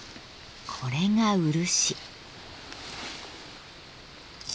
これが漆。